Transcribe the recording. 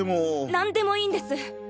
何でもいいんです！